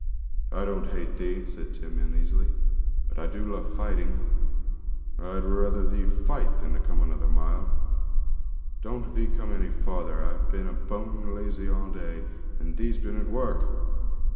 'I don't hate thee,' said Tim uneasily, 'but I do love fighting; I'd liever thee'd fight than come another mile. Don't thee come any farther, I've been bone lazy all day, and thee's been at work.